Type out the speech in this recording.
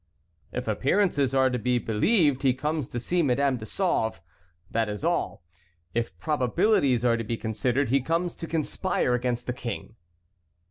"If appearances are to be believed, he comes to see Madame de Sauve. That is all. If probabilities are to be considered, he comes to conspire against the King."